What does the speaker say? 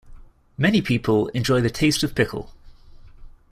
Many people enjoy the taste of pickle.